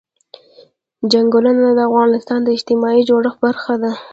چنګلونه د افغانستان د اجتماعي جوړښت برخه ده.